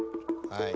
はい。